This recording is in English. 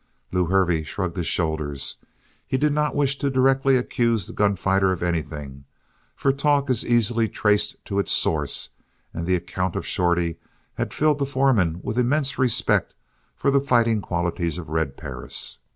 Lew Hervey shrugged his shoulders. He did not wish to directly accuse the gun fighter of anything, for talk is easily traced to its source and the account of Shorty had filled the foreman with immense respect for the fighting qualities of Red Perris.